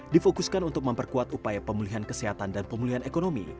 difokuskan untuk memperkuat upaya pemulihan kesehatan dan pemulihan ekonomi